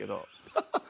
ハハハ！